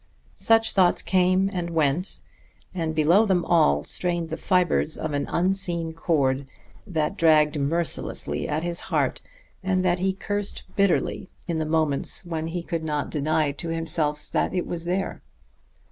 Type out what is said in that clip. Such thoughts came, and went; and below them all strained the fibers of an unseen cord that dragged mercilessly at his heart, and that he cursed bitterly in the moments when he could not deny to himself that it was there....